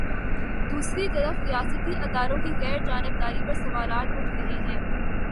دوسری طرف ریاستی اداروں کی غیر جانب داری پر سوالات اٹھ رہے ہیں۔